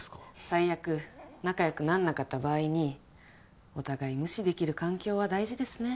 最悪仲良くなんなかった場合にお互い無視できる環境は大事ですね。